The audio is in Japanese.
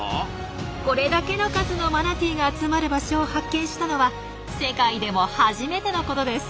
これだけの数のマナティーが集まる場所を発見したのは世界でも初めてのことです。